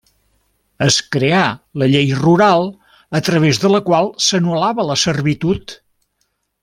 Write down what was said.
Es creà la Llei Rural, a través de la qual s'anul·lava la servitud.